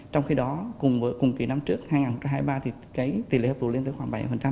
trong khi đó cùng kỳ năm trước hai nghìn hai mươi ba thì cái tỉ lệ hấp thụ lên tới khoảng bảy